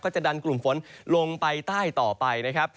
จะดันกลุ่มฝนลงไปใต้ต่อไปนะครับ